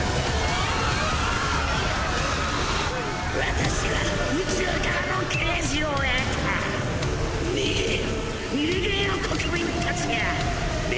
私は宇宙からの啓示を得た逃げよ逃げよ国民たちよ